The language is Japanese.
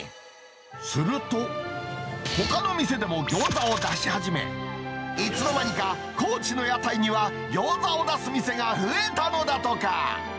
すると、ほかの店でも餃子を出し始め、いつの間にか高知の屋台には、餃子を出す店が増えたのだとか。